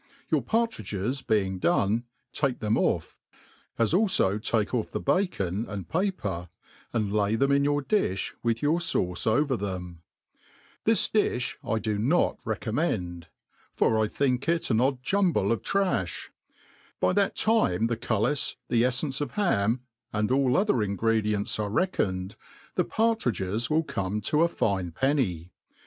Your partridges t)eing done, take them oiF; as alfo take off the bacon smd, paper, and lay thesi in your diih with* your fauce over them. »•.••?•• Xhia »p»r T KE A R T O F COOKERY This difli I do riot recommend ; for I think it an odd juoibte of ctafli ; by that time .the cullis, the efleiuse of ham, and all ather ingredients are reckoned, the partridges will come to a fitie penny.